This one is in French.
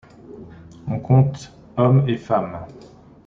On compte hommes et femmes.